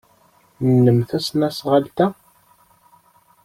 Nnem tesnasɣalt-a?